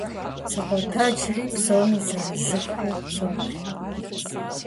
Сыкъотэджри, псоми зырызыххэу соплъ.